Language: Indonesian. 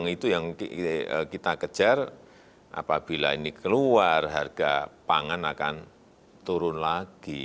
itu yang kita kejar apabila ini keluar harga pangan akan turun lagi